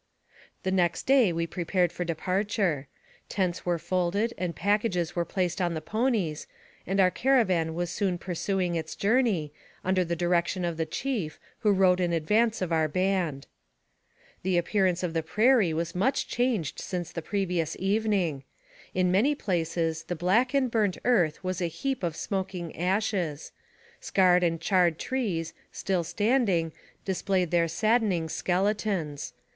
The next day we prepared for departure. Tents were folded, and packages were placed upon the ponies, and our caravan was soon pursuing its journey, under the direction of the chief, who rode in advance of our band. The appearance of the prairie was much changed since the previous evening. In many places the black and burnt earth was a heap of smoking ashes ; scarred and charred trees, still standing, displayed their sad dening skeletons.